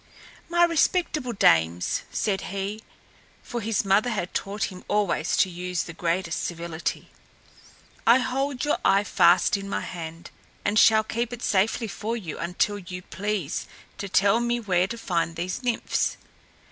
"My respectable dames," said he for his mother had taught him always to use the greatest civility "I hold your eye fast in my hand and shall keep it safely for you until you please to tell me where to find these Nymphs.